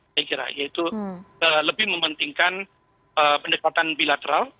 saya kira yaitu lebih mementingkan pendekatan bilateral